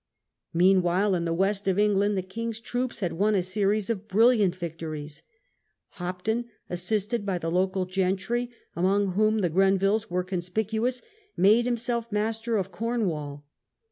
Meanwhile, in the West of England, the king's troops had won a series of brilliant victories. Hopton, assisted Hopton in by the local gentry, among whom the Gren the West villcs were conspicuous, made himself master of Cornwall.